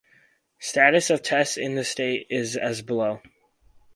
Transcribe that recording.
Status of Tests in the state is as below.